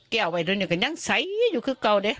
แก้วไว้ที่นี่ก็ยังสายอยู่ข้างค่าได้